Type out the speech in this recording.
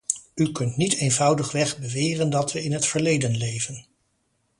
U kunt niet eenvoudigweg beweren dat we in het verleden leven.